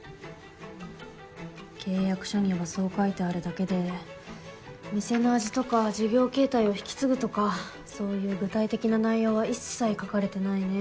契約書にはそう書いてあるだけで店の味とか事業形態を引き継ぐとかそういう具体的な内容は一切書かれてないね。